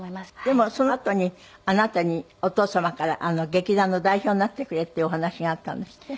でもそのあとにあなたにお父様から劇団の代表になってくれっていうお話があったんですって？